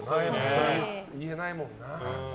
それ言えないもんな。